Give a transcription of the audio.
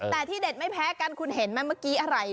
แต่ที่เด็ดไม่แพ้กันคุณเห็นไหมเมื่อกี้อะไร